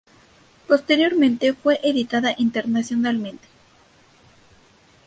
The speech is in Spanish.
Posteriormente, fue editada internacionalmente.